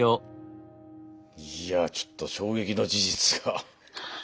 いやちょっと衝撃の事実が。